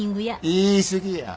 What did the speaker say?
言い過ぎや。